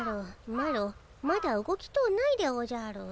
マロまだ動きとうないでおじゃる。